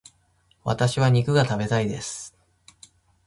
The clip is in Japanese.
私は肉が食べたいです。